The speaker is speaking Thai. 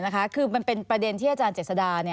คือมันเป็นประเด็นที่อาจารย์เจษดา